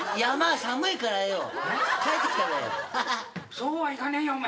そうはいかねえよお前。